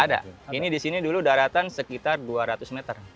ada ini disini dulu daratan sekitar dua ratus meter